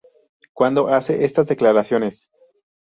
cuando hace estas declaraciones